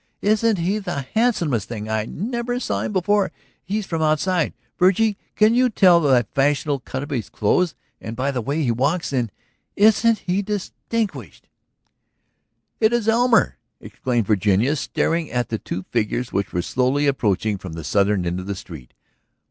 Isn't he the handsome thing? I never saw him before. He is from the outside, Virgie; you can tell by the fashionable cut of his clothes and by the way he walks and ... Isn't he distinguished!" "It is Elmer!" exclaimed Virginia, staring at the two figures which were slowly approaching from the southern end of the street.